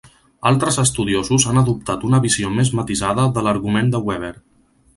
Altres estudiosos han adoptat una visió més matisada de l'argument de Weber.